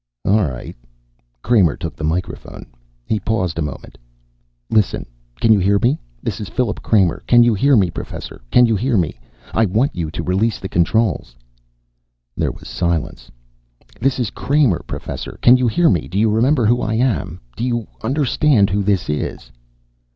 "All right." Kramer took the microphone. He paused a moment. "Listen! Can you hear me? This is Phil Kramer. Can you hear me, Professor. Can you hear me? I want you to release the controls." There was silence. "This is Kramer, Professor. Can you hear me? Do you remember who I am? Do you understand who this is?"